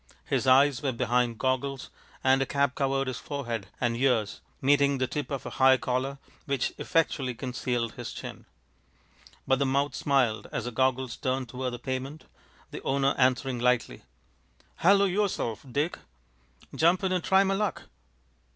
His eyes were behind goggles, and a cap covered his forehead and ears, meeting the tip of a high collar, which effectually concealed his chin. But the mouth smiled as the goggles turned toward the pavement, the owner answering lightly: "Halloo yourself, Dick! Jump in and try my luck."